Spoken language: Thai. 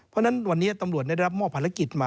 เพราะฉะนั้นวันนี้ตำรวจได้รับมอบภารกิจมา